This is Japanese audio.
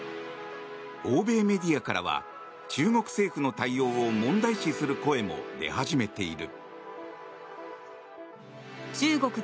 欧米メディアからは中国政府の対応を問題視する声も出始めている。